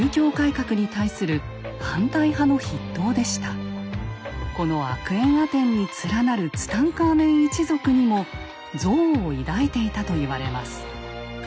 彼はこのアクエンアテンに連なるツタンカーメン一族にも憎悪を抱いていたと言われます。